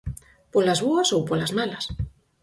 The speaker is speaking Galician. Polas boas ou polas malas.